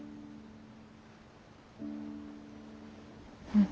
うん。